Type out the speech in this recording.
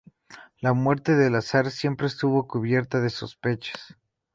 La muerte del zar siempre estuvo cubierta de sospechas.